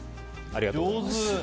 ありがとうございます。